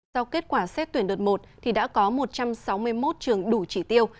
sau kết quả xét tuyển đợt một thì đã có một trăm sáu mươi một trường đủ chỉ tiêu